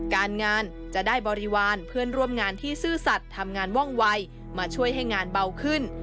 การงานจะได้บริวารเพื่อนร่วมงานที่ซื่อสัตว์ทำงานว่องวัยมาช่วยให้งานเบาขึ้น